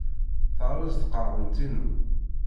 Terreẓ tqerɛunt-inu.